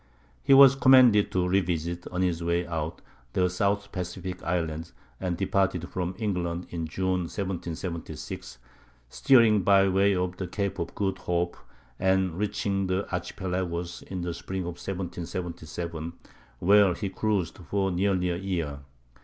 He was commanded to revisit, on his way out, the South Pacific Islands; and departed from England in June, 1776, steering by way of the Cape of Good Hope, and reaching the archipelagoes in the spring of 1777, where he cruised for nearly a year.